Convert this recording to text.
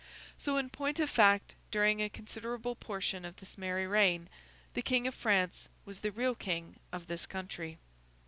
So, in point of fact, during a considerable portion of this merry reign, the King of France was the real King of this country.